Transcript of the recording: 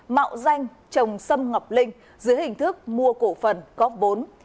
mạo danh trồng sâm ngọc linh dưới hình thức mua cổ phần góp vốn